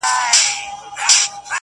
د ښكلا ميري د ښكلا پر كلي شــپه تېروم~